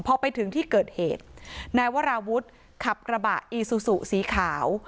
พอไปถึงที่เกิดเหตุนายวราวุฒิขับกระบะอีซูซูสีขาว